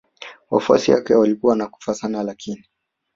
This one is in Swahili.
Wafuasi wake walikuwa wanakufa sana lakini